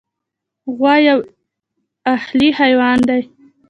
غوا یو اهلي حیوان دی.